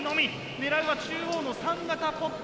狙うは中央の３型ポット。